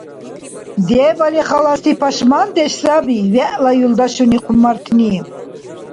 Дебали халаси пашмандеш саби вегӀла юлдашуни хъумартни.